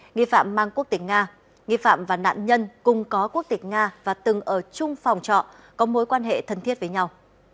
nghi phạm mang quốc tịch nga nghi phạm và nạn nhân cùng có quốc tịch nga và từng ở chung phòng trọ có mối quan hệ thân thiết với nhau